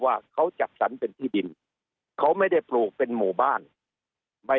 ว่าเขาจัดสรรเป็นที่ดินเขาไม่ได้ปลูกเป็นหมู่บ้านไม่